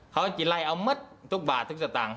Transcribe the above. เขาจะไล่เอาหมดทุกบาททุกจักรต่าง